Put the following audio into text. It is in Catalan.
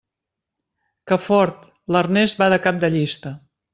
Que fort, l'Ernest va de cap de llista.